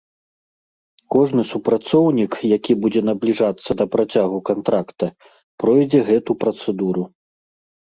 Кожны супрацоўнік, які будзе набліжацца да працягу кантракта, пройдзе гэту працэдуру.